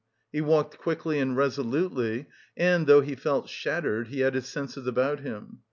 He walked quickly and resolutely, and though he felt shattered, he had his senses about him.